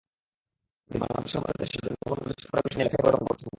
কিন্তু বাংলাদেশের মতো দেশে জন্মগ্রহণ করে ছোটখাটো বিষয় নিয়ে লেখাই বরং কঠিন।